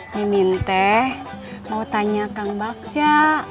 mimin teh mau tanya kang bakca